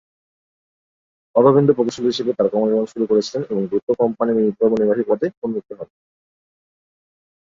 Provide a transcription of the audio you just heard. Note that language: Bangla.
অরবিন্দ প্রকৌশলী হিসেবে তার কর্মজীবন শুরু করেছিলেন এবং দ্রুত কোম্পানির কার্যনির্বাহী পদে উন্নীত হন।